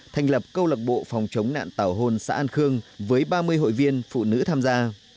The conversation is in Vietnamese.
thành lập câu lạc bộ phòng chống nạn tảo hôn xã an khương với ba mươi hội viên phụ nữ tham gia